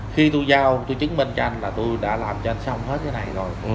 khi tôi giao tôi chứng minh cho anh là tôi đã làm cho anh xong hết cái này rồi